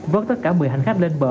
vớt tất cả một mươi hành khách lên bờ